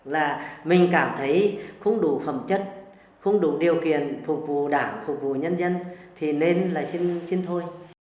là mình cảm thấy không đủ phẩm chất không đủ điều kiện phục vụ đảng phục vụ nhân dân thì nên là xin trên thôi